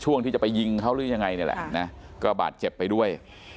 ที่จะไปยิงเขาหรือยังไงนี่แหละนะก็บาดเจ็บไปด้วย